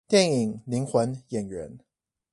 電影靈魂演員